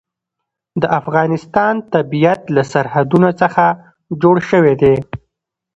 د افغانستان طبیعت له سرحدونه څخه جوړ شوی دی.